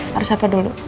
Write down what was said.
harus apa dulu